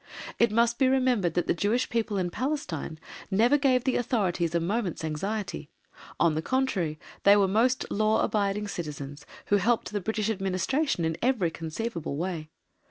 It must be remembered that the Jewish people in Palestine never gave the Authorities a moment's anxiety; on the contrary, they were most law abiding citizens, who helped the British Administration in every conceivable way.